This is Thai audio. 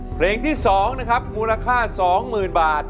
เพลงที่๒นะครับมูลค่า๒๐๐๐บาท